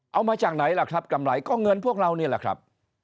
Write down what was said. เอามาจากไหนล่ะครับกำไรก็เงินพวกเรานี่แหละครับ